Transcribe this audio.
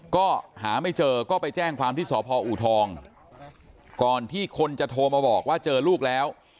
ก็หาไม่เจอก็ไปแจ้งความที่สพอูทองก่อนที่คนจะโทรมาบอกว่าเจอลูกแล้ว